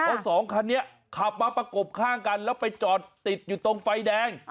เพราะสองคันนี้ขับมาประกบข้างกันแล้วไปจอดติดอยู่ตรงไฟแดง